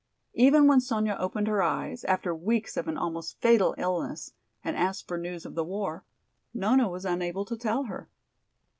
Even when Sonya opened her eyes, after weeks of an almost fatal illness, and asked for news of the war, Nona was unable to tell her.